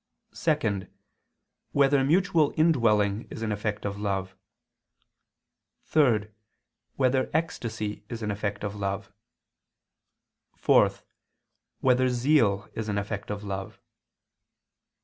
(2) Whether mutual indwelling is an effect of love? (3) Whether ecstasy is an effect of love? (4) Whether zeal is an effect of love?